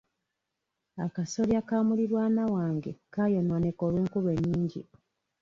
Akasolya ka muliraanwa wange kaayonooneka olw'enkuba ennyingi.